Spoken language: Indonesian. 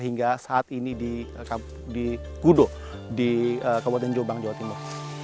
hingga saat ini di gudo di kabupaten jombang jawa timur